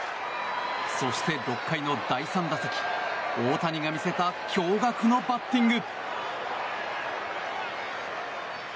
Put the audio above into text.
そして６回の第３打席大谷が見せた驚愕のバッティング。